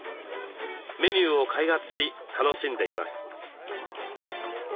メニューを開発し楽しんでいます。